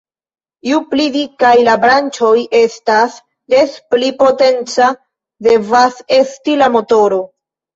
Ju pli dikaj la branĉoj estas, des pli potenca devas esti la motoro.